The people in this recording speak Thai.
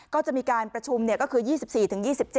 ก็จะมีการประชุมก็คือ๒๔ถึง๒๗